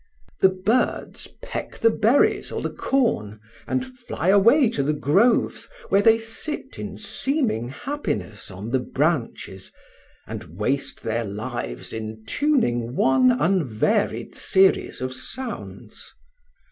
The birds peck the berries or the corn, and fly away to the groves, where they sit in seeming happiness on the branches, and waste their lives in tuning one unvaried series of sounds.